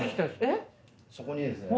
そこにですね